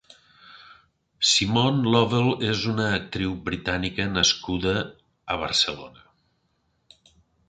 Simone Lovell és una actriu britànica nascuda a Barcelona nascuda a Barcelona.